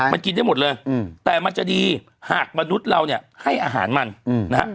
มันกินได้หมดเลยแต่มันจะดีหากมนุษย์เราเนี่ยให้อาหารมันนะฮะ